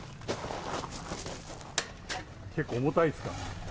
結構、重たいですね。